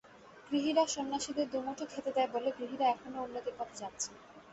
গৃহীরা সন্ন্যাসীদের দুমুঠো খেতে দেয় বলে গৃহীরা এখনও উন্নতির পথে যাচ্ছে।